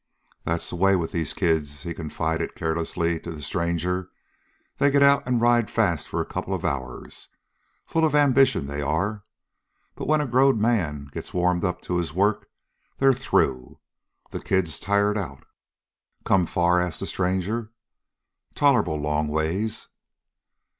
"That's the way with these kids," he confided carelessly to the stranger. "They get out and ride fast for a couple of hours. Full of ambition, they are. But just when a growed man gets warmed up to his work; they're through. The kid's tired out." "Come far?" asked the stranger. "Tolerable long ways."